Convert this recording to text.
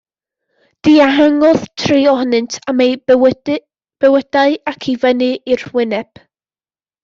Dihangodd tri ohonynt am eu bywydau ac i fyny i'r wyneb.